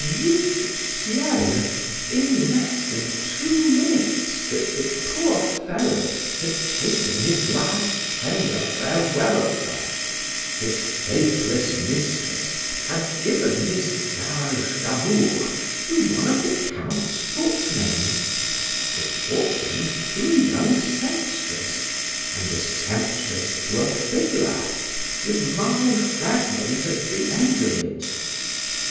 Juste Ciel! in less than two minutes that the poor fellow had taken his last tender farewell of her—his faithless mistress had given his gage d'amour to one of the Count's footmen,—the footman to a young sempstress,—and the sempstress to a fiddler, with my fragment at the end of it.